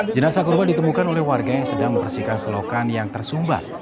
jenazah korban ditemukan oleh warga yang sedang membersihkan selokan yang tersumbat